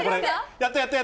やった、やった。